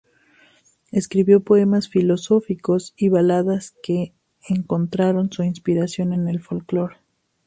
Escribió poemas filosóficos y baladas que encontraron su inspiración en el folclore.